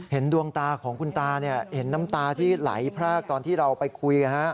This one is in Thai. ดวงตาของคุณตาเห็นน้ำตาที่ไหลพรากตอนที่เราไปคุย